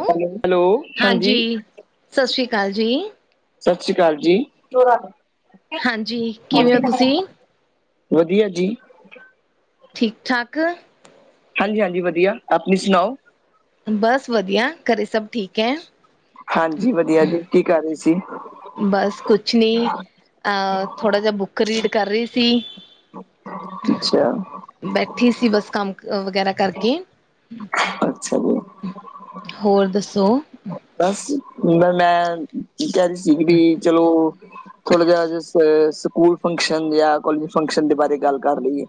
ਹੂੰ hello hello ਹਾਂਜੀ ਸਤਿ ਸ਼੍ਰੀ ਅਕਾਲ ਜੀ। ਸਤਿ ਸ੍ਰੀ ਅਕਾਲ ਜੀ ਥੋੜਾ ਹਾਂਜੀ ਕਿਵੇਂ ਹੋ ਤੁਸੀਂ ਵਧੀਆ ਜੀ। ਠੀਕ ਠਾਕ। ਹਾਂਜੀ-ਹਾਂਜੀ ਵਧੀਆ ਆਪਣੀ ਸੁਣਾਓ। ਬਸ ਵਧੀਆ, ਘਰੇ ਸਭ ਠੀਕ ਹੈ? ਹਾਂਜੀ ਵਧੀਆ ਜੀ, ਕੀ ਕਰ ਰਹੇ ਸੀ? ਬਸ ਕੁਛ ਨਹੀਂ, ਅ ਥੋੜ੍ਹਾ ਜਿਹਾ ਬੁੱਕ ਰੀਡ ਕਰ ਰਹੀ ਸੀ। ਅੱਛਾ ਬੈਠੀ ਸੀ, ਬਸ ਕੰਮ ਅ ਵਗੈਰਾ ਕਰਕੇ, ਅੱਛਾ ਜੀ ਹੋਰ ਦੱਸੋ? ਬਸ, ਮੈਂ ਕਹਿ ਰਹੀ ਸੀਗੀ ਵੀ, ਚਲੋ ਥੋੜਾ ਜਿਹਾ ਅ ਸਕੂਲ ਫੰਕਸ਼ਨ ਜਾਂ ਕੋਲਜ ਫੰਕਸ਼ਨ ਦੇ ਬਾਰੇ, ਗੱਲ ਕਰ ਲਈਏ।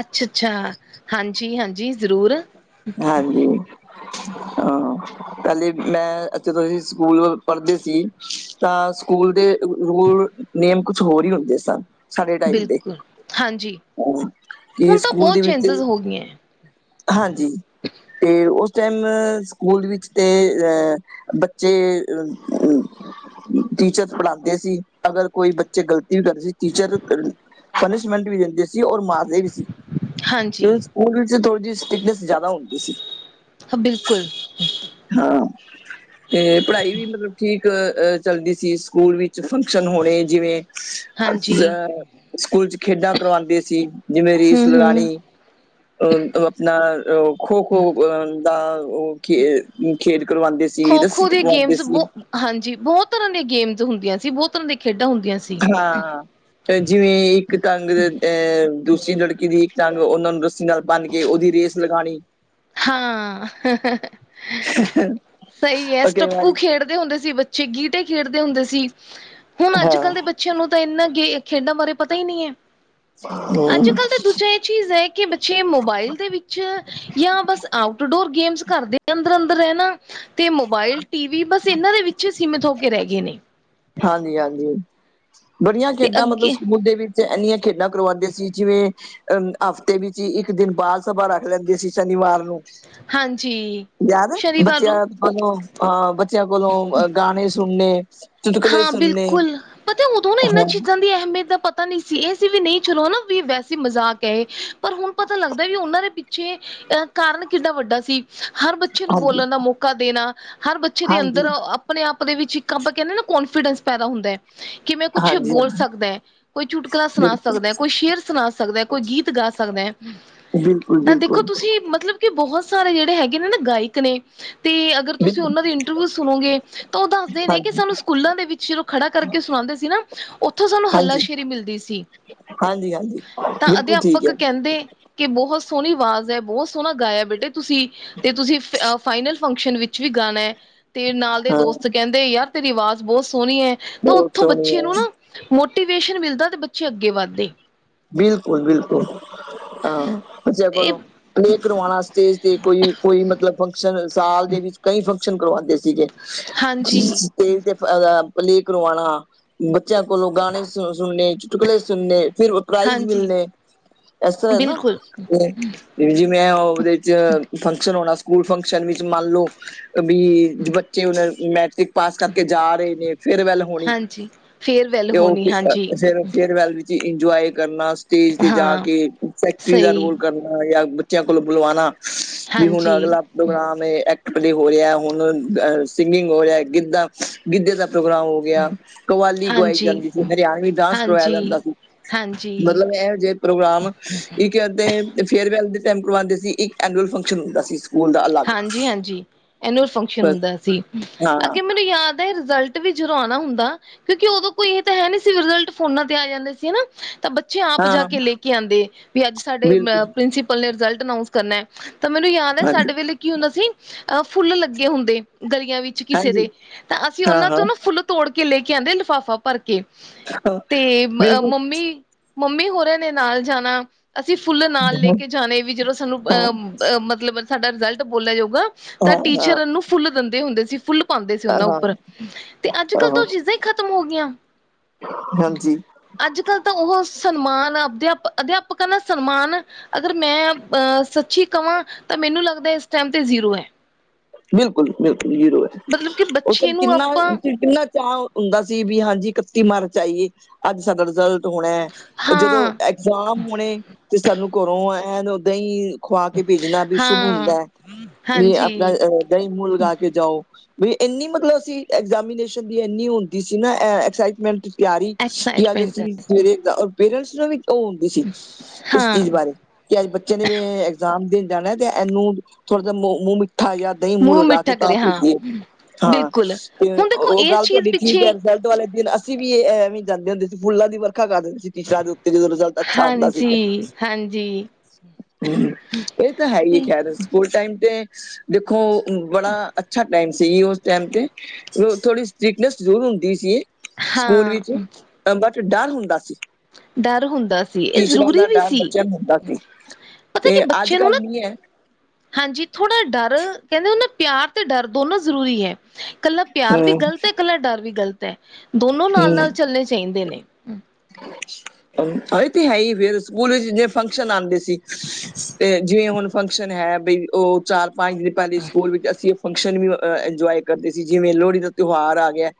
ਅੱਛਾ ਅੱਛਾ, ਹਾਂਜੀ-ਹਾਂਜੀ, ਜ਼ਰੂਰ। ਹਾਂਜੀ, ਹਾਂ ਪਹਿਲੇ ਮੈਂ ਇੱਥੇ ਤੁਸੀਂ ਸਕੂਲ ਪੜ੍ਹਦੇ ਸੀ, ਤਾਂ ਸਕੂਲ ਦੇ ਰੂਲ ਨੇਮ, ਕੁਛ ਹੋਰ ਹੀ ਹੁੰਦੇ ਸਨ। ਸਾਡੇ ਟਾਈਮ ਤੇ, ਬਿਲਕੁਲ ਹਾਂਜੀ। ਕੀ ਹੁਣ ਤਾਂ ਸਕੂਲ ਬਹੁਤ ਦੇ ਵਿੱਚ ਚੇਂਜਿਸ ਹੋ ਗਈਆਂ, ਹਾਂਜੀ। ਤੇ ਉਸ ਟਾਈਮ, ਸਕੂਲ ਵਿੱਚ ਤੇ ਅਹ ਬੱਚੇ ਅ ਟੀਚਰ ਪੜ੍ਹਾਉਂਦੇ ਸੀ। ਅਗਰ ਕੋਈ ਬੱਚੇ ਗ਼ਲਤੀਆਂ ਕਰਦੇ ਸੀ, ਟੀਚਰ ਪਨਿਸ਼ਮੈਂਟ ਵੀ ਦਿੰਦੇ ਸੀ, ਔਰ ਮਾਰਦੇ ਵੀ ਸੀ। ਹਾਂਜੀ ਸਕੂਲ ਵਿੱਚ ਥੋੜੀ ਜਿਹੀ ਸਟਿਕਨੈਸ ਜ਼ਿਆਦਾ ਹੁੰਦੀ ਸੀ ਬਿਲਕੁਲ। ਹਾਂ। ਤੇ, ਪੜ੍ਹਾਈ ਵੀ ਮਤਲਬ ਠੀਕ ਅਹ ਚੱਲਦੀ ਸੀ। ਸਕੂਲ ਵਿੱਚ ਫੰਕਸ਼ਨ ਹੋਣੇ ਜਿਵੇਂ ਹਾਂਜੀ। 'ਅ ਸਕੂਲ 'ਚ ਖੇਡਾਂ ਕਰਵਾਉਂਦੇ ਸੀ, ਜਿਵੇਂ ਰੇਸ ਹੂੰ-ਹੂੰ ਲਗਾਣੀ ਉਹ ਬ ਆਪਣਾ ਖੋ-ਖੋ ਅਹ ਦਾ, ਉਹ ਖੇ ਖੇਡ ਕਰਵਾਉਂਦੇ ਸੀ। ਰੱਸੀ ਖੋ-ਖੋ ਦੀਆਂ ਟਪਵਾਉਂਦੇ ਗੇਮਸ ਸੀ। ਬਹੁ ਹਾਂਜੀ, ਬਹੁਤ ਤਰ੍ਹਾਂ ਦੀਆਂ ਗੇਮਸ ਹੁੰਦੀਆਂ ਸੀ। ਬਹੁਤ ਤਰ੍ਹਾਂ ਦੀਆਂ ਖੇਡਾਂ ਹੁੰਦੀਆਂ ਸੀ। ਹਾਂਾਂ ਜਿਵੇਂ ਇੱਕ ਟੰਗ ਅਹ, ਦੂਸਰੀ ਲੜਕੀ ਦੀ ਇੱਕ ਟੰਗ, ਉਹਨਾਂ ਨੂੰ ਰੱਸੀ ਨਾਲ ਬੰਨ ਕੇ, ਉਹਦੀ ਰੇਸ ਲਗਾਉਣੀ ਹਾਂ, ਸਹੀ ਹੈ। ਕਈ ਸਟੱਪੂ ਵਾਰੀ ਖੇਡ ਹੁੰਦੇ ਸੀ ਬੱਚੇ, ਗੀਟੇ ਖੇਡਦੇ ਹੁੰਦੇ ਸੀ। ਹੁਣ ਅੱਜ ਹਾਂ ਕੱਲ੍ਹ ਦੇ ਬੱਚੇ ਬੱਚਿਆਂ ਨੂੰ ਤਾਂ, ਇੰਨਾ ਗੇ ਖੇਡਾਂ ਬਾਰੇ ਪਤਾ ਹੀ ਨਹੀਂ ਹੈ। ਅੱਜ ਹਮ ਕੱਲ ਤਾਂ ਦੂਜਾ ਚੀਜ਼ ਹੈ, ਕਿ ਬੱਚੇ ਮੋਬਾਇਲ ਦੇ ਵਿੱਚ ਜਾਂ ਬਸ ਆਊਟਡੋਰ ਗੇਮਸ, ਘਰ ਦੇ ਅੰਦਰ-ਅੰਦਰ ਰਹਿ ਨਾ, ਤੇ ਮੋਬਾਇਲ, ਟੀ ਵੀ ਬਸ ਇਹਨਾਂ ਦੇ ਵਿੱਚ ਹੀ, ਸੀਮਿਤ ਹੋ ਕੇ ਰਹਿ ਗਏ ਨੇ। ਹਾਂਜੀ ਹਾਂਜੀ, ਬੜੀਆਂ ਤੇ ਖੇਡਾਂ ਮਤਲਬ ਅੱਗੇ ਸਕੂਲ ਦੇ ਵਿੱਚ ਇੰਨੀਆਂ ਖੇਡਾਂ ਕਰਵਾਉਂਦੇ ਸੀ। ਜਿਵੇਂ 'ਅ ਹਫ਼ਤੇ ਵਿੱਚ ਹੀ ਇੱਕ ਦਿਨ, ਬਾਾਲ ਸਭਾ ਰੱਖ ਲੈਂਦੇ ਸੀ ਸ਼ਨੀਵਾਰ ਨੂੰ ਹਾਂਜੀ ਯਾਦ ਹੈ, ਸ਼ਨੀਵਾਰ ਬੱਚ ਨੂੰ ਯਾ ਕੋਲੋਂ 'ਅ ਬੱਚਿਆਂ ਕੋਲੋਂ, ਗਾਣੇ ਸੁਣਨੇ ਚੁਟਕਲੇ ਹਾਂ ਸੁਣਨੇ ਬਿਲਕੁਲ, ਪਤਾ ਉਦੋਂ ਨਾ ਇਹਨਾਂ ਹਾਂ ਚੀਜ਼ਾਂ ਦੀ ਅਹਿਮੀਅਤ ਦਾ ਪਤਾ ਨ ਸੀ। ਇਹ ਸੀ ਵੀ, ਨਹੀਂ ਚਲੋ ਨਾ ਵੀ, ਵੈਸੇ ਮਜ਼ਾਕ ਹੈ ਇਹ ਪਰ ਹੁਣ ਪਤਾ ਲੱਗਦਾ, ਵੀ ਉਹਨਾਂ ਦੇ ਪਿੱਛੇ, ਅਹ ਕਾਰਨ ਕਿੱਡਾ ਵੱਡਾ ਸੀ। ਹਰ ਬੱਚੇ ਨੂੰ ਹਾਂਜੀ, ਬੋਲਣ ਦਾ ਮੌਕਾ ਦੇਣਾ, ਹਰ ਬੱਚੇ ਦੇ ਹਾਂਜੀ, ਅੰਦਰ ਆਪਣੇ-ਆਪ ਦੇ ਵਿੱਚ ਈ, ਇੱਕ ਆਪਾਂ ਕਹਿੰਦੇ ਆਂ ਨਾਂ ਕੋਂਨਫੀਡੈਂਸ ਪੈਦਾ ਹੁੰਦਾ ਹੈ। ਕਿਵੇੈਂ ਕੁੱਛ ਹਾਂਜੀ, ਬੋਲ ਹਾਂਜੀ ਸਕਦਾ, ਕੋਈ ਚੁਟਕਲਾ ਸੁਣਾ ਬਿਲਕੁਲ, ਸਕਦਾ, ਕੋਈ ਸ਼ੇਰ ਸੁਣਾ ਸਕਦੈ, ਕੋਈ ਗੀਤ ਗਾ ਸਕਦੈ ਬਿਲਕੁਲ, ਤਾਂ ਦੇਖੋ ਬਿਲਕੁਲ, ਤੁਸੀਂ ਮਤਲਬ ਕਿ ਬਹੁਤ ਸਾਰੇ ਜਿਹੜੇ ਹੈਗੇ ਨੇ ਨਾ ਗਾਇਕ ਨੇ ਤੇ ਅਗ ਗਰ ਤੁਸੀਂ ਬਿਲਕੁਲ ਓਨਾਂ ਦੀ ਇੰਟਰਵੂ ਸੁਣੋਗੇ ਤਾਂ ਉਹ ਦੱਸਦੇ ਨੇ ਕਿ ਹਾਂਜੀ, ਸਾਨੂੰ ਸਕੂਲਾਂ ਦੇ ਵਿੱਚ ਜਦੋਂ ਖੜਾ ਕਰਕੇ ਸੁਣਾਂਦੇ ਸੀ ਨਾ ਓਥੋਂ ਸਾਨੂੰ ਹਾਂਜੀ, ਹੱਲਾਸ਼ੇਰੀ ਮਿਲਦੀ ਸੀ। ਹਾਂਜੀ। ਹਾਂਜੀ ਤਾਂ ਬਿਲਕੁਲ ਠੀਕ ਅਧਿਆਪਕ ਹੈ ਕਹੈਂਦੇ ਕੇ ਬਹੋਤ ਸੋਹਨੀ ਆਵਾਜ਼ ਹੈ, ਬਹੋਤ ਸੋਹਨਾ ਗਾਇਆ ਬੇਟੇ ਤੁਸੀਂ ਤੇ ਤੁਸੀਂ ਫਾਈਨਲ ਫੰਕਸ਼ਨ ਵਿੱਚ ਵੀ ਗਾਨੈ ਤੇ ਨਾਲ ਦੇ ਹਾਂ ਦੋਸਤ ਕੈਹੰਦੇ ਯਾਰ ਤੇਰੀ ਅਵਾਜ਼ ਬੋਤ ਸੋਨੀ ਐ। ਤੋ ਬਹੁਤ ਓਥੋਂ ਸੋਹਣੀ ਬੱਚੇ ਹੈ ਨੂੰ ਨਾ ਮੋਟੀਵੇਸ਼ਨ ਮਿਲਦਾ ਤੇ ਬੱਚੇ ਅੱਗੇ ਵੱਧਦੇ। ਬਿਲਕੁਲ-ਬਿਲਕੁਲ, ਹਾਂ ਬੱਚਿਆ ਇਹ ਕੋਲੋਂ ਪਲੇਅ ਕਰਵਾਣ ਆਸਤੇ ਤੇ ਕੋਈ ਕੋਈ ਮਤਲਬ ਫੰਕਸ਼ਨ ਸਾਲ ਦੇ ਵਿੱਚ ਕਈ ਫੰਕਸ਼ਨ ਕਰਵਾਂਦੇ ਸੀਗੇ। ਹਾਂਜੀ ਸਟੇਜ ਤੇ ਪਲੇ ਕਰਵਾਣਾ ਬੱਚਿਆਂ ਕੋਲੋਂ ਗਾਣੇ ਸੁ ਸੁਨਨੇ, ਚੁਟਕਲੇ ਸੁਨਨੇ ਫਿਰ ਪ੍ਰਾਈਜ਼ ਹਾਂਜੀ ਮਿਲਨੇ, ਐਸ ਤਰ੍ਹਾਂ ਐ ਨਾ ਬਿਲਕੁਲ ਜਿਵੇਂ ਓਹਦੇ ਚ ਫੰਕਸ਼ਨ ਹੋਨਾ ਸਕੂਲ ਫੰਕਸ਼ਨ ਵਿੱਚ ਮੰਨ ਲਓ ਬੀ ਬੱਚੇ ਹੋ ਜਾਨ ਮੈਟ੍ਰਿਕ ਪਾਸ ਕਰਕੇ ਜਾ ਰਏ ਨੇ, ਫੇਰਵੈਲ ਹੋਣੀ ਹਾਂਜੀ ਫੇਅਰਵੈਲ ਤੇ ਉਹ ਹੋਣੀ ਫ ਹਾਂਜੀ ਫਿਰ ਫੇਰਵੈਲ ਵਿੱਚ ਇੰਜੋਏ ਕਰਨਾ ਸਟੇਜ ਤੇ ਜਾ ਹਾਂ ਕੇ ਸੈਕਟਰੀ ਦਾ ਸਹੀ ਰੋਲ ਕਰਨਾ ਜਾਂ ਬੱਚਿਆਂ ਕੋਲੋ ਬੁਲਵਣਾ ਵੀ ਹੁਣ ਹਾਂਜੀ ਅਗਲਾ, ਪ੍ਰੋਗਰਾਮ ਏ, ਐਕਟ, ਪਲੇ ਹੋ ਰਿਐ, ਹੁਣ ਸਿੰਗਿੰਗ ਹੋ ਰਿਐ, ਗਿੱਦਾ, ਗਿੱਦੇ ਦਾ ਪ੍ਰੋਗਰਾਮ ਹੋ ਗਯਾ। ਕਵਾਲੀ ਗਵਾਈ ਹਾਂਜੀ ਜਾਂਦੀ ਸੀ, ਹਰਿਆਨਵੀ ਡਾਂਸ ਕਰਵਾਇਆ ਹਾਂਜੀ ਜਾਂਦਾ ਸੀ। ਹਾਂਜੀ ਮਤਲਬ ਐਹੋ ਜੇਹੇ ਪ੍ਰੋਗਰਾਮ ਇੱਕ-ਅੱਧੇ ਇੱਕ ਫੇਅਰਵੈਲ ਦੇ ਟੈਮ ਕਰਵਾਂਦੇ ਸੀ, ਇੱਕ ਐਨੂਅਲ ਫੰਕਸ਼ਨ ਹੁੰਦਾ ਸੀ। ਸਕੂਲ ਦਾ ਅਲੱਗ ਹਾਂਜੀ-ਹਾਂਜੀ, ਐਨੂਅਲ ਫੰਕਸ਼ਨ ਬਸ ਹੁੰਦਾ ਸੀ। ਹਾਂ ਅੱਗੇ ਮੈਨੂੰ ਯਾਦ ਮੇਰਾ ਰਿਜ਼ਲਟ ਵੀ ਜਦੋਂ ਆਨਾ ਹੁੰਦਾ ਕਿਯੋਂਕਿ ਉਦੋਂ ਕੋਈ ਏਹ ਤਾਂ ਹੈ ਨਹੀਂ ਸੀ। ਰਿਜ਼ਲਟ ਫੋਨਾ ਤੇ ਆ ਜਾਂਦੇ ਸੀ, ਹਨਾ। ਤਾਂ ਬੱਚੇ ਆਪ ਜਾ ਹਾਂ ਕੇ ਲੈ ਕੇ ਆਉਂਦੇ ਵੀ ਅੱਜ ਸਾਡੇ ਬਿਲਕੁਲ ਪ੍ਰਿੰਸੀਪਲ ਨੇ ਰਿਜ਼ਲਟ ਅਨਾਊਂਸ ਕਰਨਾ। ਤਾਂ ਮੈਨੂੰ ਯਾਦ ਐ ਹਾਂਜੀ ਸਾਡੇ ਵੇਲੇ ਕੀ ਹੁੰਦਾ ਸੀ ਅਹ ਫੁੱਲ ਲੱਗੇ ਹੁੰਦੇ ਗਲੀਆਂ ਵਿੱਚ ਕਿਸੇ ਹਾਂਜੀ ਦੇ। ਤਾਂ ਅਸੀਂ ਹਾਂ ਓਹਨਾਂ ਤੋਂ ਨਾ ਹਾਂ ਫੁੱਲ ਤੋੜ ਕੇ ਲੇ ਕੇ ਆਂਦੇ ਲਿਫਾਫਾ ਭਰ ਕੇ ਤੇ ਬਿਲਕੁਲ ਮੰਮੀ, ਮੰਮੀ ਹੋਰਾਂ ਨੇ ਨਾਲ ਜਾਨਾ ਅਸੀਂ ਫੁੱਲ ਨਾਲ ਲੇ ਹਾਂ ਕੇ ਜਾਨੇ ਵੀ ਜਦੋਂ ਸਾਨੂੰ ਹਾਂ ਅਹ ਮਤਲਬ ਸਾਡਾ ਰਿਜ਼ਲਟ ਬੋਲਿਆ ਜਾਊਗਾ ਤਾਂ ਹਾਂ ਟੀਚਰ ਨੂੰ ਫੁੱਲ ਦਿੰਦੇ ਹੁੰਦੇ ਸੀ। ਫੁੱਲ ਪਾਂਦੇ ਸੀ ਓਹਨਾਂ ਹਾਂ ਉਪਰ, ਤੇ ਅੱਜ-ਕੱਲ ਤੇ ਹਾਂ ਓਹ ਚੀਜ਼ਾਂ ਹੀ ਖਤਮ ਹੋ ਗਈਆਂ। ਹਾਂਜੀ ਅੱਜ-ਕੱਲ ਤਾਂ ਓਹ ਸਨਮਾਨ, ਅਦਿਆਪਕ ਅਦਿਆਪਕਾਂ ਦਾ ਸਨਮਾਨ ਅਗਰ ਮੈਂ ਅਹ ਸੱਚੀ ਕਵਾਂ ਤਾਂ ਮੈਨੂੰ ਲੱਗਦਾ ਇਸ ਟੈਮ ਤੇ ਜ਼ੀਰੋ ਹੈ। ਬਿਲਕੁਲ ਜੀ, ਬਿਲਕੁਲ ਜ਼ੀਰੋ ਹੈ। ਮਤਲਬ ਕਿ ਓਹ ਬੱਚੇ ਨੂੰ ਕਿੰਨਾ, ਆਪਾਂ ਕਿੰਨਾ ਚਾਅ, ਹੁੰਦਾ ਸੀ ਵੀ ਹਾਂਜੀ ਇਕੱਤੀ ਮਾਰਚ ਆਈ ਏ, ਅੱਜ ਸਾਡਾ ਰਿਜ਼ਲਟ ਹੋਣੈ। ਓ ਜਦੋਂ ਹਾਂ ਜ਼ਾਮ ਹੋਣੇ ਤੇ ਸਾਨੂੰ ਘਰੋਂ ਐਂ ਓਦਾਂ ਈਂ ਖਵਾ ਕੇ ਭੇਜਨਾ ਬੀ ਸ਼ੁੱਭ ਹਾਂ ਹੁੰਦੈ। ਵੀ ਆਪਣਾ ਹਾਂਜੀ ਦਈਂ ਮੂੰਹ ਲਗਾ ਕੇ ਜਾਓ। ਵੀ ਐਨੀ ਮਤਲਬ ਸੀਂ ਐਗਜਾਮੀਨੇਸ਼ਨ ਦੀ ਐਨੀ ਹੁੰਦੀ ਸੀ ਨਾ ਐ ਐਕਸਾਈਟਮੈਂਟ ਤਿਆਰੀ ਕਿ ਅੱਜ ਐਕਸਾਈਟਮੈਂਟ ਅਸੀਂ ਸਵੇਰੇ ਪੇਰੈਂਟਸ ਨੂੰ ਵੀ ਓ ਇਸੀ ਇਸ ਹਾਂ ਚੀਜ਼ ਬਾਰੇ ਕਿ ਅੱਜ ਬੱਚੇ ਨੇ ਵੀ ਐਗਜ਼ਾਮ ਦੇਨ ਜਾਨੈ ਤੇ ਐਨੂੰ ਥੋੜ੍ਹਾ ਜਿਹਾ ਮੂੰਹ ਮਿੱਠਾ ਜਾਂ ਦਈਂ ਮੂੰਹ ਲਗਾ ਕੇ ਮਿੱਠਾ ਤਾਂ ਕਰੇ ਹਾਂ ਭੇਜੀਏ। ਹਾਂ, ਬਿਲਕੁਲ ਤੇ ਹੁਣ ਦੇਖੋ ਓਹ ਇਸ ਗੱਲ ਚੀਜ਼ ਤਵਾਡੀ ਠੀਕ ਪਿੱਛੇ ਹੈ ਬਈ ਲਟ ਵਾਲੇ ਦਿਨ ਅਸੀਂ ਵੀ ਐਵੇਂ ਈ ਜਾਂਦੇ ਹੁੰਦੇ ਸੀ। ਫੁੱਲਾਂ ਦੀ ਵਰਖਾ ਕਰ ਦੇਂਦੇ ਸੀ ਟੀਚਰਾਂ ਦੇ ਉ ਤੇ ਜਦੋਂ ਰਿਜ਼ਲਟ ਅੱਛਾ ਹੁੰਦਾ ਸੀੇ ਤੇ ਹਾਂਜੀ ਹਾਂਜੀ ਹੂੰ ਹੂੰ, ਏ ਤਾਂ ਹੈ ਹੀ ਐ ਤੇ ਕਹਿਲੋ, ਸਕੂਲ ਟਾਈਮ ਤੇ ਦੇਖੋ ਬੜਾ ਅੱਛਾ - ਟਾਈਮ ਸੀ, ਉਸ ਟੈਮ ਤੇ ਥੋੜੀ ਸਟਿਕਨੈਸ ਜ਼ਰੂਰ ਹੁੰਦੀ ਸੀ। ਸਕੂਲ ਵਿੱਚ, ਹਾਂ ਬੱਟ ਡਰ ਹੁੰਦਾ ਸੀ। ਡਰ ਹੁੰਦਾ ਸੀ ਇਹ ਟੀਚਰਾਂ ਜ਼ਰੂਰੀ ਦਾ ਵੀ ਡਰ ਸੀ ਬੱਚਿਆਂ ਨੂੰ ਹੁੰਦਾ ਸੀ। ਪਤਾ ਤੇ ਕਿ ਬੱਚੇ ਨੂੰ ਅੱਜ-ਕੱਲ ਨਾ ਨਹੀਂ ਐ। ਹਾਂਜੀ, ਥੋੜ੍ਹਾ ਡਰ ਕਹਿੰਦੇ ਹੁੰਦੇ ਨਾ ਪਿਆਰ ਤੇ ਡਰ ਦੋਨੋ ਜ਼ਰੂਰੀ ਐ। ਕੱਲਾ ਪਿਆਰ ਵੀ ਹਮ ਗ਼ਲਤ ਐ, ਕੱਲਾ ਡਰ ਵੀ ਗ਼ਲਤ ਐ, ਦੋਨੋ ਨਾਲ-ਨਾਲ ਚੱਲਣੇ ਚਾਹੀਦੇ ਨੇ। ਅੱਛਾ। ਹਾਂ ਐ ਤੇ ਹੈ ਹੀ, ਫੇਰ ਸਕੂਲ ਵਿੱਚ ਜਿੰਨੇ ਫੰਕਸ਼ਨ ਆਂਦੇ ਸੀ ਤੇ ਜਿਵੇਂ ਹੁਣ ਫੰਕਸ਼ਨ ਹੈ ਬਈ ਓ ਚਾਰ ਪੰਜ ਦਿਨ ਪਹਿਲੇ ਸਕੂਲ ਵਿੱਚ ਅਸੀਂ ਫੰਕਸ਼ਨ ਵੀ ਇੰਜੋਏ ਕਰਦੇ ਸੀ, ਜਿਵੇਂ ਲੋਹੜੀ ਦਾ ਤਿਉਹਾਰ ਆ ਗਿਆ।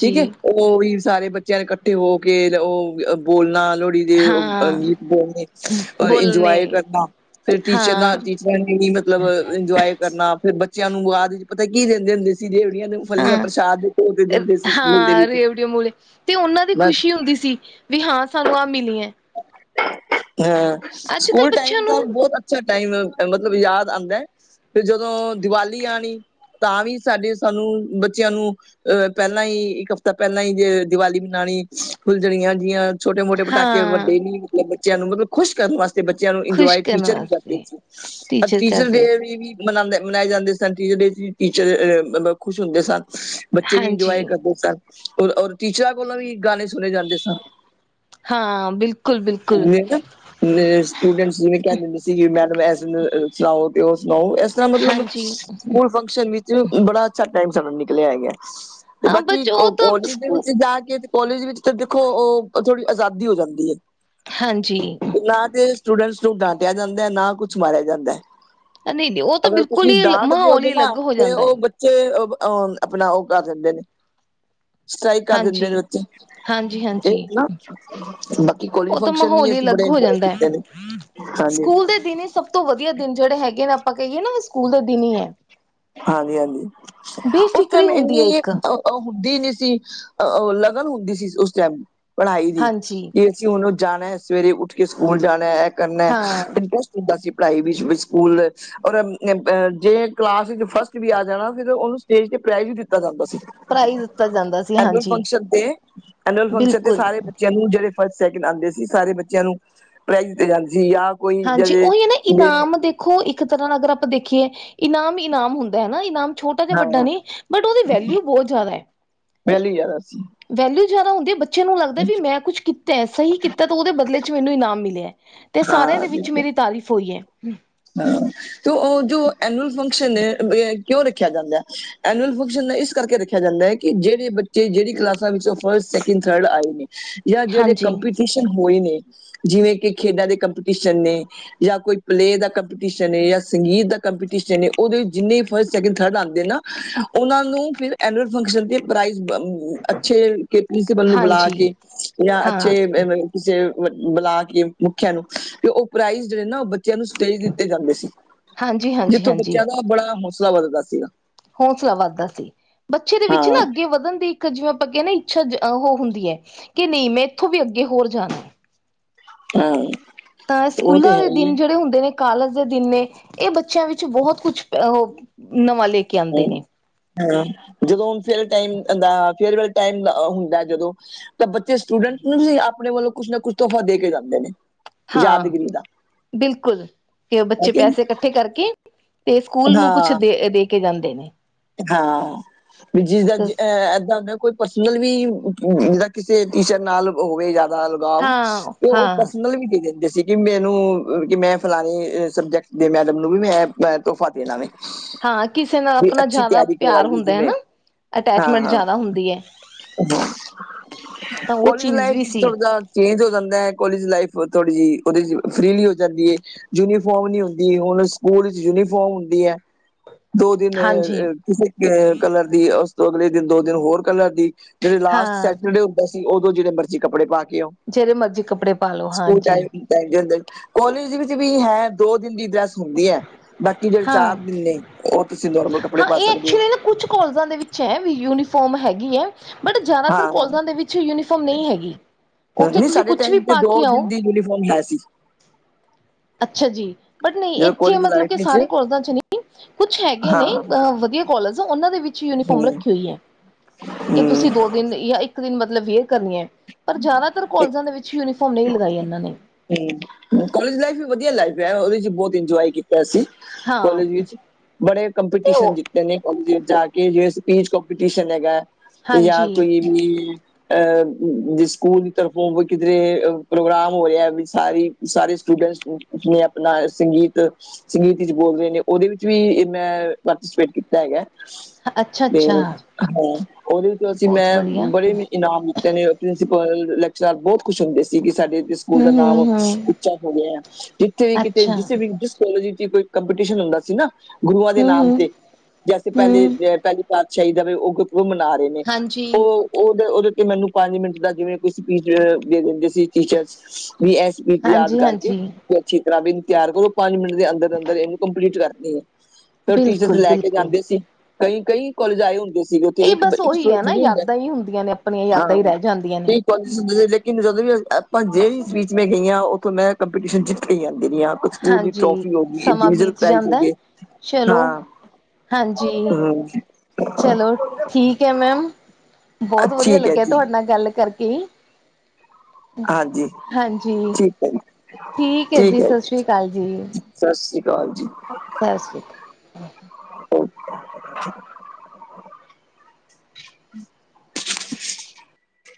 ਠੀਕ ਏ, ਉਹ ਵੀ ਸਾਰੇ ਬੱਚਿਆਂ ਨੇ ਕੱਠੇ ਹੋ ਕੇ ਉਹ ਬੋਲਣਾ ਲੋ ਲੋਹੜੀ ਦੇ ਓ ਹਾਂ ਗੀਤ ਬੋਲਣੇ, ਇੰਜਵਾਏ ਬੋਲਣੇ ਕਰਨਾ, ਫਿਰ ਟੀਚਰਾਂ ਹਾਂ ਬੱਚਿਆਂ ਨੇ ਵੀ ਮਤਲਬ ਇੰਜੋਏ ਕਰਨਾ, ਫਿਰ ਬੱਚਿਆਂ ਨੂੰ ਬਾਅਦ ਵਿੱਚ ਪਤਾ ਕੀ ਦਿੰਦੇ ਹੁੰਦੇ ਸੀ ਰੇਵੜੀਆਂ ਦੇ ਫਲੀਆਂ ਹਾਂ, ਪ੍ਰਸ਼ਾਦ ਦੇ ਤੌਰ ਤੇ ਦਿੰਦੇ ਸੀ ਸਕੂਲ ਦੇ ਹਾਂ ਵਿੱਚ ਰੇਵੜਿਓ, ਮੁੂਲੀ ਤੇ ਉਹਨਾਂ ਦੀ ਮੈਂ ਖੁਸ਼ੀ ਹੁੰਦੀ ਸੀ। ਵੀ ਹਾਂ ਸਾਨੂੰ ਆਹ ਮਿਲੀ ਐ। ਹਾਂ, ਅੱਜ ਕੱਲ੍ਹ ਸਕੂਲ ਟਾਈਮ ਬੱਚਿਆਂ ਤਾਂ ਨੂੰ ਬਹੁਤ ਅੱਛਾ ਟਾਈਮ ਮਤਲਬ ਯਾਦ ਆਂਦਾ ਐ। ਫਿਰ ਜਦੋਂ ਦੀਵਾਲੀ ਆਣੀ ਤਾਂ ਵੀ ਸਾਡੇ ਸਾਨੂੰ ਬੱਚਿਆਂ ਨੂੰ ਅਹ ਪਹਿਲਾਂ ਹੀ ਇੱਕ ਹਫ਼ਤਾ ਪਹਿਲਾਂ ਹੀ ਜੇ ਦਿਵਾਲੀ ਮਨਾਣੀ, ਫੁਲਝੜੀਆਂ ਜਿਆਂ, ਛੋਟੇ ਮੋਟੇ ਪਟਾ ਹਾਂ, ਕੇ, ਮਤਲਬ ਬੱਚਿਆਂ ਨੂੰ ਮਤਲਬ ਖੁਸ਼ ਕਰਨ ਵਾਸਤੇ ਤੇ ਬੱਚਿਆਂ ਨੂੰ ਖੁਸ਼ ਇੰਜੋਏ ਕਰਨ ਟੀਚਰ ਵੀ ਕਰਦੇ ਵਾਸਤੇ ਸੀ, ਪਰ ਟੀਚਰ ਡੇ ਕਰਦੇ ਸੀ। ਵੀ ਵੀ ਮਨਾਂਦੇ ਮਨਾਏ ਜਾਂਦੇ ਸਨ, ਟੀਚਰ ਡੇ ਤੇ ਟੀਚਰ ਅ ਖੁਸ਼ ਹੁੰਦੇ ਸਨ। ਬੱਚੇ ਵੀ ਇੰਜੋਏ ਹਾਂਜੀ, ਕਰਦੇ ਸਨ, ਔਰ ਔਰ ਟੀਚਰਾਂ ਕੋਲੋਂ ਵੀ ਗਾਣੇ ਸੁਣੇ ਜਾਂਦੇ ਸਨ। ਹਾਂ ਬਿਲ [unintelligible] ਸਟੂਡੈਂਟਸ ਜਿਵੇਂ ਕਹਿ ਦਿੰਦੇ ਸੀ ਮੈਡਮ ਐ ਸੁਣਾਓ ਤੇ ਓ ਸੁਣਾਓ, ਐਸ ਤਰ੍ਹਾਂ ਮਤਲਬ ਹਾਂਜੀ। ਸਕੂਲ ਫੰਕਸ਼ਨ ਵਿੱਚ ਬੜਾ ਅੱਛਾ ਟਾਈਮ ਸਾਡਾ ਨਿਕਲਿਆ ਹੈਗਾ। ਤੇ ਹਾਂ ਬਾਕੀ ਬਚ ਉਹ ਤਾਂ ਕੋਲੇਜ ਦੇ ਸਕੂ ਵਿੱਚ ਜਾ ਕੇ ਤੇ ਕੋਲੇਜ ਵਿੱਚ ਤਾਂ ਦੇਖੋ ਉਹ ਥੋੜ੍ਹੀ ਅਜ਼ਾਦੀ ਹੋ ਜਾਂਦੀ ਐ। ਹਾਂਜੀ। ਨਾ ਤੇ ਸਟੂਡੈਂਟਸ ਨੂੰ ਡਾਂਟਿਆ ਜਾਂਦਾ ਐ, ਨਾ ਕੁਛ ਮਾਰਿਆ ਜਾਂਦਾ ਐ। ਨਹੀਂ-ਨਹੀਂ ਉਹ ਤਾਂ ਅਗਰ ਬਿਲਕੁਲ ਤੁਸੀਂ ਹੀ ਡਾਂਟ ਮਾਹੌਲ ਦਿਓਗੇ ਹੀ ਨਾ ਅਲੱਗ ਹੋ ਤੇ ਜਾਂਦਾ ਉਹ ਹੈ। ਬ ਬੱਚੇ ਉਹ ਆਪਣਾ ਉਹ ਕਰ ਦਿੰਦੇ ਨੇ। ਸਟ੍ਰਾਈਕ ਕਰ ਦਿੰਦੇ ਹਾਂਜੀ। ਨੇ ਬੱਚੇ, ਜੇ ਹਾਂਜੀ-ਹਾਂਜੀ, ਨਾ ਬਾਕੀ ਕੋਲਜ ਉਹ ਤਾਂ ਫੰਕਸ਼ਨ ਵੀ ਮਾਹੌਲ ਹੀ ਅਸੀਂ ਅਲੱਗ ਬੜੇ ਹੋ ਇੰਜੋਏ ਜਾਂਦਾ ਐ, ਸਕੂਲ ਕੀਤੇ ਨੇ ਦੇ ਹਾਂਜੀ ਸਕੂਲ ਦੇ ਦਿਨ ਹੀ ਸਭ ਤੋਂ ਵਧੀਆ ਦਿਨ, ਜਿਹੜੇ ਹੈਗੇ ਨੇ ਆਪਾਂ ਕਹੀਏ ਨਾ ਉਹ ਸਕੂਲ ਦੇ ਦਿਨ ਹੀ ਐ। ਹਾਂਜੀ ਹਾਂਜੀ, ਉਸ ਬੇਫਿਕਰੀ ਟਾਈਮ ਹੁੰਦੀ ਹੈ ਏਨੀ ਇੱਕ ਅ ਉਹ ਹੁੰਦੀ ਨੀ ਸੀ, ਉਹ ਲਗਨ ਹੁੰਦੀ ਸੀ ਉਸ ਟਾਈਮ ਪੜ੍ਹਾਈ ਦੀ, ਹਾਂਜੀ। ਏ ਤੇ ਹੁਣ ਜਾਣਾ ਐ, ਸਵੇਰੇ ਉੱਠ ਕੇ ਸਕੂਲ ਜਾਣਾ ਐ, ਇਹ ਕਰਨਾ ਹਾਂ, ਤੇ ਹੁੰਦਾ ਸੀ ਪੜ੍ਹਾਈ ਵੀ ਵਿਚ ਸਕੂਲ ਔਰ ਜੇ ਕਲਾਸ ਚ ਫਸਟ ਵੀ ਆ ਜਾਣਾ ਫਿਰ ਉਹਨੂੰ ਸਟੇਜ ਤੇ ਪ੍ਰਾਈਜ਼ ਵੀ ਦਿੱਤਾ ਜਾਂਦਾ ਸੀ। ਪ੍ਰਾਈਜ਼ ਦਿੱਤਾ ਜਾਂਦਾ ਸੀ ਐਨੂਅਲ ਹਾਂਜੀ, ਫੰਕਸ਼ਨ ਤੇ, ਐਨੂਅਲ ਫੰਕਸ਼ਨ ਤੇ ਬਿਲਕੁਲ। ਸਾਰੇ ਬੱਚਿਆਂ ਨੂੰ ਜਿਹੜੇ ਫਸਟ, ਸੈਕਿੰਡ ਆਂਦੇ ਸੀ ਸਾਰੇ ਬੱਚਿਆਂ ਨੂੰ ਪ੍ਰਾਈਜ਼ ਦਿੱਤੇ ਜਾਂਦੇ ਸੀ ਜਾਂ ਕੋਈ ਹਾਂਜੀ, ਜ ਉਹੀ ਏ ਨਾ ਇਨਾਮ ਦੇ ਖੋ ਇੱਕ ਤਰ੍ਹਾਂ ਅਗਰ ਆਪਾਂ ਦੇਖੀਏ ਇਨਾਮ, ਇਨਾਮ ਹੁੰਦਾ ਹੈਨਾ ਇਨਾਮ ਛੋਟਾ ਜਾ ਹਾਂ ਵੱਡਾ ਨੀ ਬਟ ਔਦੀ ਵੈਲਿਊ ਬਹੁਤ ਜਾਦਾ। ਵੈਲੂ ਜ਼ਿਆਦਾ ਸੀ ਵੈਲਊ ਜਾਦਾ ਹੁੰਦੀ ਆ ਬੱਚ ਬੱਚੇ ਨੂੰ ਲੱਗਦਾ ਵੀ ਮੈਂ ਕੁੱਛ ਕੀਤਾ, ਸਹੀ ਕੀਤਾ ਤੇ ਉਦੇ ਬਦਲੇ ਚ ਮੈਨੂੰ ਇਨਾਮ ਮਿਲਿਆ ਤੇ ਸਾਰਿਆਂ ਹਾਂ ਦੇ ਵਿੱਚ ਬਿਲਕੁਲ ਮੇਰੀ ਤਾਰੀਫ਼ ਹੋਈ ਐ। ਹਾਂ। ਤੇ ਓ ਜੋ ਐਨੂਅਲ ਫੰਕਸ਼ਨ ਹੈ ਕਿਉਂ ਰੱਖਿਆ ਜਾਂਦਾ ਐਨੂਅਲ ਫੰਕਸ਼ਨ ਇਸ ਕਰਕੇ ਰੱਖਿਆ ਜਾਂਦਾ ਹੈ ਕਿ ਜੇੜੇ ਬੱਚੇ ਜੇੜੀ ਕਲਾਸਾਂ ਵਿੱਚੋ ਫਸਟ, ਸੈਕਿੰਡ, ਥਰਡ ਆਏ ਨੇ ਯਾ ਜਿਹੜੇ ਹਾਂਜੀ ਕੰਪਿਟੀਸ਼ ਕਨ ਹੋਏ ਨੇ ਜਿਵੇਂ ਕਿ ਖੇਡਾਂ ਦੇ ਕੰਪੀਟੀਸ਼ਨ ਨੇ ਯਾ ਕੋਈ ਪਲੇ ਦਾ ਕੰਪਿਟੀਸ਼ਨ ਏ ਯਾ ਸੰਗੀਤ ਦਾ ਕੰਪੀਟੀਸ਼ਨ ਏ, ਉਦੇ ਜਿੰਨੇ ਵੀ ਫਸਟ, ਸੈਕਿੰਡ, ਥਰਡ ਆਂਦੇ ਨਾ ਉਹਨਾਂ ਨੂੰ ਫਿਰ ਐਨੂਅਲ ਫੰਕਸ਼ਨ ਤੇ ਪ੍ਰਾਈਜ਼ ਬ ਅੱਛੇ ਕੇ ਪ੍ਰਿੰਸੀਪਲ ਨੂੰ ਬੁਲਾ ਹਾਂਜੀ ਕੇ ਜਾ ਹਾਂ ਅੱਛੇ ਅ ਕਿਸੇ ਬ ਬੁਲਾ ਕੇ ਮੁਖਿਆ ਨੂੰ ਤੇ ਉਹ ਪ੍ਰਾਈਜ਼ ਜੇੜੇ ਨਾ ਉਹ ਬੱਚਿਆਂ ਨੂੰ ਸ ਤੇਈ ਦਿੱਤੇ ਜਾਂਦੇ ਸੀ ਹਾਂਜੀ ਹਾਂਜੀ ਜਿੱਥੋਂ ਹਾਂਜੀ ਬੱਚਿਆਂ ਦਾ ਬੜਾ ਹੌਸਲਾ ਵਧਦਾ ਸੀਗਾ। ਹੌਸਲਾ ਵੱਧਦਾ ਸੀ ਬੱਚੇ ਦੇ ਵਿੱਚ ਨਾ ਹਾਂ ਅੱਗੇ ਵਧਨ ਦੀ ਕ ਜਿਵੇਂ ਆਪਾਂ ਕਈਏ ਨਾ ਆ ਇੱਛਾ ਅ ਹੁੰਦੀ ਹੈ ਕਿ ਨਈ ਮੈਂ ਇੱਥੋਂ ਵੀ ਅੱਗੇ ਹੋਰ ਜਾਨਾ। [unintelligible] ਤਾਂ ਉਹ ਤੇ ਸਕੂਲਾਂ ਹੈ ਦੇ ਹੀ ਹੈ ਦਿਨ ਜੇੜੇ ਹੁੰਦੇ ਨੇ ਕਾਲਜ ਦੇ ਦਿਨ ਨੇ ਏ ਬੱਚਿਆਂ ਵਿੱਚ ਬੋਹਤ ਕੁਛ ਅ ਨਵਾਂ ਲੈ ਕੇ ਆਦੇ ਹਾਂ, ਨੇ। ਹਾਂ ਜਦੋਂ ਹੁ ਫੇਅਰ ਟਾਇਮ ਦੇ ਫੇਅਰਵੈਲ ਟਾਈਮ ਦਾ ਹੁੰਦੈ ਜਦੋਂ ਤਾਂ ਬੱਚੇ ਸਟੂਡੈਂਟ ਨੂੰ ਵੀ ਆਪਣੇ ਵੱਲੋਂ ਕੁਛ ਨਾ ਕੁਛ ਤੋਹਫ਼ਾ ਦੇ ਕੇ ਜਾਂਦੇ ਨੇ। ਹਾਂ ਯਾਦਗਿਰੀ ਦਾ ਬਿਲਕੁਲ ਤੇ ਔ ਬੱਚੇ ਠੀਕ ਹੈ ਪੈਸੇ ਨਾ? ਕੱਠੇ ਕਰਕੇ ਤੇ ਸਕੂਲ ਨੂੰ ਹਾਂ ਕੁਛ ਦੇ ਦੇਕੇ ਜਾਂਦੇ ਨੇ। ਹਾਂ ਵੀ ਜਿਸਦਾਂ ਜਿ ਅ ਏਦਾਂ ਹੁੰਦਾ ਕੋ ਪਰਸਨਲ ਵੀ ਜਿੱਦਾਂ ਕਿਸੇ ਟੀਚਰ ਨਾਲ ਹੋਵੇ ਯਾ ਨਾਲ ਲਗਾਵ ਹਾਂ ਤੇ ਓ ਹਾਂ ਪਰਸਨਲ ਵੀ ਦੇ ਦਿੰਦੇ ਸੀ। ਕਿ ਮੈਨੂੰ ਕੇ ਮੈਂ ਫਲਾਣੇ ਸਬਜੈਕਟ ਦੇ ਮੈਡਮ ਨੂੰ ਵੀ ਮੈਂ ਐ ਤੋਹਫ਼ਾ ਦੇਣਾ ਵੇ। ਹਾਂ ਕਿਸੇ ਨਾਲ ਵੀ ਆਪਣਾ ਅੱਛੀ ਜਾਦਾ ਤਿਆਰੀ ਪਿਆਰ ਕਰਵਾਈਏ ਹੁੰਦਾ ਐ ਜਿਵੇਂ ਨਾ ਹਾਂ ਅਟੈਚਮੈਂਟ ਹਾਂ ਜਾਦਾ ਹੁੰਦੀ ਐ। ਤਾਂ ਓ ਕੋਲਜ ਚੀਜ਼ ਲਾਈਫ ਵੀ ਵਿੱਚ ਸੀ। ਥੋੜਾ ਜਾ ਚੇਂਜ ਹੋ ਜਾਂਦਾ ਕੋਲੇਜ ਲਾਈਫ ਥੋੜ੍ਹੀ ਜਿਹੀ ਉਹਦੇ ਚ ਫਰੀਲੀ ਹੋ ਜਾਂਦੀ ਏ। ਯੂਨੀਫੋਮ ਨੀ ਹੁੰਦੀ ਹੁਨ ਸਕੂਲ ਚ ਯੂਨੀਫੋਮ ਹੁੰਦੀ ਐ। ਦੋ ਦਿਨ ਹਾਂਜੀ ਅ ਕਿਸੇ ਕਲਰ ਦੀ ਉਸ ਤੋਂ ਅਗਲੇ ਦਿਨ ਦੋ ਦਿਨ ਹੋਰ ਕਲਰ ਦੀ। ਜਦੋ ਲਾਸਟ ਹਾਂ ਸੈਟਰਡੇ ਹੁੰਦਾ ਸੀ ਉਦੋਂ ਜੇੜੇ ਮਰਜ਼ੀ ਕੱਪੜੇ ਪਾ ਕੇ ਆਓ। ਜੇੜੇ ਮਰਜ਼ੀ ਕੱਪੜੇ ਪਾਲੋ ਹਾਂਜੀ। ਚੱਲ ਜਾਂਦੇ ਕੋਲਜ ਵਿੱਚ ਵੀ ਹੈ ਦੋ ਦਿਨ ਦੀ ਡਰੈਸ ਹੁੰਦੀ ਐ ਬਾਕੀ ਜੇੜੇ ਹਾਂ ਚਾਰ ਦਿਨ ਨੇ ਉਹ ਤੁਸੀਂ ਨੋਰਮਲ ਕੱਪ ਹਾਂ ਏ ਐਕਚੁਲੀ ਨਾ ਕੁਛ ਕੋਲਜਾਂ ਦੇ ਵਿੱਚ ਐ ਵੀ ਯੂਨੀਫੋਰਮ ਹੈਗੀ ਐ। ਬਟ ਜਾਦਾਤਰ ਕੋਲਜਾਂ ਹਾਂ ਦੇ ਵਿੱਚ ਯੂਨੀਫੋਮ ਨਈ ਹੈਗੀ। ਭੈਣ ਉੱਥੇ ਜੀ ਤੁਸੀਂ ਸਾਡੇ ਕੁਛ ਵੀ ਟਾਈਮ ਚ ਪਾ ਕੇ ਦੋ ਦਿਨ ਆਓ ਦੀ ਯੂਨੀਫੋਮ ਹੈ ਸੀ। ਅੱਛਾ ਜੀ ਬਟ ਨਈ ਜਦੋਂ ਇੱਥੇ ਕਾਲਜ ਮਤਲਬ ਲਾਈਫ ਕਿ ਵਿੱਚ ਸਾਰੇ ਕੋਲਜਾਂ ਚ ਨੀ ਕੁਛ ਹੈਗੇ ਨੇ ਹਾਂ ਵਧੀਆ ਕੋਲੇਜ ਉਨਾਂ ਦੇ ਵਿੱਚ ਹੀ ਯੂਨੀਫੋਮ ਹੂੰ ਰੱਖੀ ਹੋਈ ਐ। ਹੂੰ ਦਿਨ ਯਾ ਇੱਕ ਦਿਨ ਮਤਲਬ ਵੇਅਰ ਕਰਨੀ ਐ ਪਰ ਜਾਦਾਤਰ ਕੋਲਜਾਂ ਦੇ ਵਿੱਚ ਯੂਨੀਫਾਰਮ ਨਈ ਲਗਾਈ ਇਨਾਂ ਨੇ। ਹੂੰ, ਕੋਲਜ ਲਾਈਫ ਵੀ ਵਧੀਆ ਲਾਈਫ ਐ ਉਹਦੇ ਚ ਬੋਤ ਇੰਜੋਯ ਕੀਤਾ ਅਸੀ। ਹਾਂ ਕੋਲਜ ਵਿੱਚ ਬੜੇ ਤੇ ਕੰਪੀਟੀਸ਼ਨ ਉਹ ਜਿੱਤ [unintelligible] ਜਾ ਕੇ ਜਿਵੇਂ ਸਪੀਚ ਕਪੀਟੀਸ਼ਨ ਹੈਗਾ, ਜਾਂ ਹਾਂਜੀ ਕੋਈ ਵੀ ਅ ਜੇ ਸਕੂਲ ਦੀ ਤਰਫੋਂ ਕੋਈ ਕਿਧਰੇ ਪ੍ਰੋਗਰਾਮ ਹੋ ਰਿਹੈ ਵੀ ਸਾਰੀ ਸਾਰੇ ਸਟੂਡੈਂਟਸ ਜਿਵੇਂ ਆਪਣਾ ਸੰਗੀਤ ਸੰਗੀਤ ਵਿੱਚ ਬੋਲ ਰਹੇ ਨੇ ਉਹਦੇ ਵਿੱਚ ਵੀ ਮੈਂ ਪਾਰਟੀਸਪੇਟ ਕੀਤਾ ਹੈਗਾ। ਅੱਛਾ ਤੇ, ਅੱਛਾ ਹਾਂ ਉਹਦੇ ਵਿਚ ਅਸੀਂ ਬਹੁਤ ਮੈਂ ਵਧੀਆ ਬੜੇ ਇ ਇਨਾਮ ਜਿੱਤੇ ਨੇ ਪ੍ਰਿੰਸੀਪਲ, ਲੈਕਚਰਾਰ ਬਹੁਤ ਖੁਸ਼ ਹੁੰਦੇ ਸੀ ਕਿ ਸਾਡੇ ਸਕੂਲ ਦਾ ਹੂੰ ਹੂੰ ਨਾਮ, ਹੂੰ ਉੱਚਾ ਹੋ ਗਿਐ ਜਿੱਥੇ ਵੀ ਕਿਤੇ ਅੱਛਾ ਜਿਸੇ ਵੀ ਜਿਸ ਕੋਲੇਜ ਵਿਚ ਕੋਈ ਕੰਪੀਟੀਸ਼ਨ ਹੁੰਦਾ ਸੀ ਨਾ ਗੁਰੂਆਂ ਦੇ ਹੂੰ ਨਾਮ ਹੂੰ ਤੇ ਜੈਸੇ ਪਹਿਲੇ ਹੂੰ ਪਹਿਲੀ ਪਾਤਸ਼ਾਹੀ ਦਾ ਹੈਵੇ ਉਹ [unintelligible] ਮਨਾ ਰਹੇ ਨੇ ਹਾਂਜੀ। ਉਹ ਉਹਦੇ ਉਹਦੇ ਤੇ ਮੈਨੂੰ ਪੰਜ ਮਿੰਟ ਦਾ ਜਿਵੇਂ ਕੋਈ ਸਪੀਚ ਦੇ ਦਿੰਦੇ ਸੀ। ਟੀਚਰਜ਼, ਵੀ ਐ ਸਪੀਚ ਯਾਦ ਕਰਕੇ ਹਾਂਜੀ-ਹਾਂਜੀ, ਵੀ ਅੱਛੀ ਤਰ੍ਹਾਂ ਵੀ ਇਹਨੂੰ ਤਿਆਰ ਕਰੋ ਪੰਜ ਮਿੰਟ ਦੇ ਅੰਦਰ-ਅੰਦਰ ਇਹਨੂੰ ਕੰਪਲੀਟ ਕਰਨੀ ਏ। ਫੇਰ ਉਹ ਟੀਚਰਸ ਲੈ ਕੇ ਬਿਲਕੁਲ-ਬਿਲਕੁਲ। ਜਾਂਦੇ ਸੀ, ਕਈ-ਕਈ ਕੋਲਜ ਆਏ ਹੁੰਦੇ ਸੀਗੇ ਉੱਥੇ ਇਹ ਇੱਕ, ਬਸ ਇੱਕ ਉਹੀ ਹੈ ਸਟੂਡੈਂਟ ਥੋੜੀ ਹੁੰਦਾ। [unintelligible] ਹੁੰਦੀਆਂ ਨੇ ਆਪਣੀਆਂ ਯਾਦਾਂ ਹੀ ਹਾਂ, ਰਹਿ ਜਾਂਦੀਆਂ ਨੇ। ਠੀ- ਕੋਲਜ ਹੁੰਦੇ ਸੀ ਲੇਕਿਨ ਜਦੋਂ ਵੀ ਆਪਾਂ ਜਿਹੜੀ ਸਪੀਚ ਮੈਂ ਗਈ ਹਾਂ ਉੱਥੋਂ ਮੈਂ ਕੰਪੀਟੀਸ਼ਨ ਜਿੱਤ ਕੇ ਹੀ ਆਂਦੀ ਰਹੀ ਆ। ਕੁਛ ਫੂਡ ਦੀ ਹਾਂਜੀ, ਟਰੋਫੀ ਹੋ ਗਈ ਸਮਾਂ ਬੀਤ [unintelligible] ਹੋ ਜਾਂਦਾ ਹੈ। ਗਏ, ਚਲੋ ਹਾਂ। ਹਾਂਜੀ ਚਲੋ [unintelligible] ਠੀਕ ਐ ਮੈਮ, ਬਹੁਤ ਵਧੀਆ ਠੀਕ ਹੈ ਲੱਗਿਆ ਜੀ ਤੁਹਾਡੇ ਨਾਲ ਗੱਲ ਕਰਕੇ ਈ। ਹਾਂਜੀ, ਹਾਂਜੀ, ਠੀਕ ਐ ਜੀ। ਹੈ ਠੀਕ ਜੀ ਐ। ਸਤਿ ਸ੍ਰੀ ਅਕਾਲ ਸਾਸਰੀ ਕਾਲ ਜੀ। ਸਾਸਰੀ ਕਾਲ।